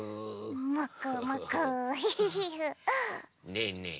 ねえねえ。